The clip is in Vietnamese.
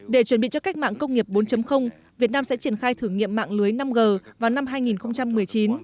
để chuẩn bị cho cách mạng công nghiệp bốn việt nam sẽ triển khai thử nghiệm mạng lưới năm g vào năm hai nghìn một mươi chín